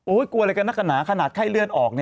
กลัวอะไรกันนักหนาขนาดไข้เลือดออก